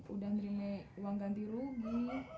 udah nerima uang ganti rugi